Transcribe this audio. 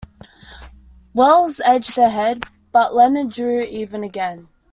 Wells edged ahead, but Leonard drew even again.